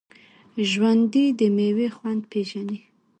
ژوندي د میوې خوند پېژني